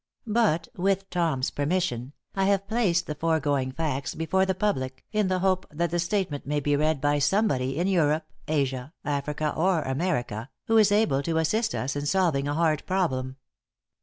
But, with Tom's permission, I have placed the foregoing facts before the public in the hope that the statement may be read by somebody in Europe, Asia, Africa or America, who is able to assist us in solving a hard problem.